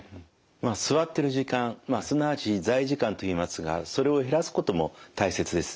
まあ座ってる時間すなわち座位時間といいますがそれを減らすことも大切です。